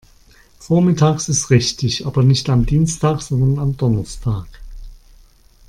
Vormittags ist richtig, aber nicht am Dienstag, sondern am Donnerstag.